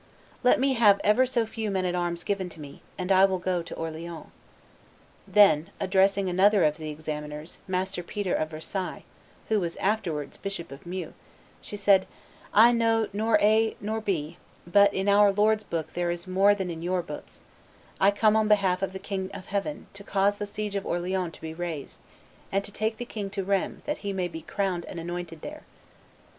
Let me have ever so few men at arms given me, and I will go to Orleans;" then, addressing another of the examiners, Master Peter of Versailles, who was afterwards Bishop of Meaux, she said, "I know nor A nor B; but in our Lord's book there is more than in your books; I come on behalf of the King of Heaven to cause the siege of Orleans to be raised, and to take the king to Rheims, that he may be crowned and anointed there."